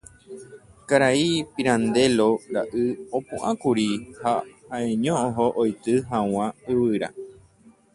Karai Pirandello ra'y opu'ãkuri ha ha'eño oho oity hag̃ua yvyra.